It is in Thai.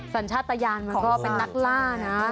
สัญชาติยานมันก็เป็นนักล่านะ